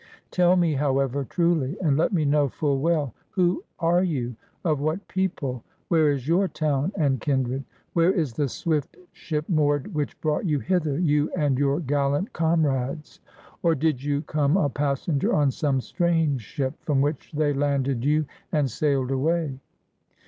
Tell me, however, truly, and let me know full well: who are you? of what people? Where is your town and kindred? Where is the swift ship moored which brought you hither, you and your gallant comrades? Or did you come a passenger on some strange ship, from which they landed you and sailed away?"